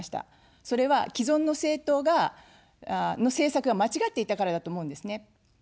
それは既存の政党の政策が間違っていたからだと思うんですね。